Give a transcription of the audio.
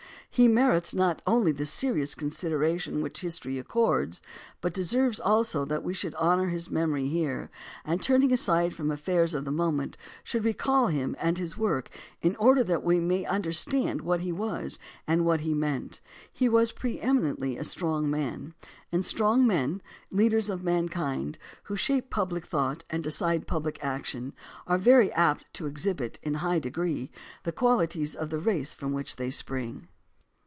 He merits not only the serious consideration which history accords, but deserves also that we should honor his memory here, and, turning aside from affairs of the moment, should recall him and his work in order that we may understand what he was and what he meant. 166 JOHN C. CALHOUN He was pre eminently a strong man, and strong men, leaders of mankind, who shape public thought and de cide public action, are very apt to exhibit in a high de gree the qualities of the race from which they spring.